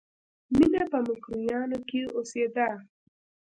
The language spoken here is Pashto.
مینه په مکروریانو کې اوسېده